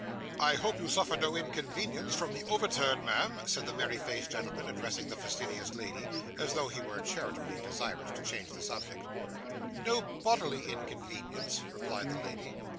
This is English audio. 'I hope you suffer no inconvenience from the overturn, ma'am?' said the merry faced gentleman, addressing the fastidious lady, as though he were charitably desirous to change the subject. 'No bodily inconvenience,' replied the lady.